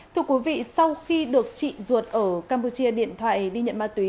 thưa quý vị sau khi được chị ruột ở campuchia điện thoại đi nhận ma túy